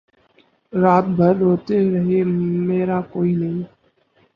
رات بھر روتے رہے مرا کوئی نہیں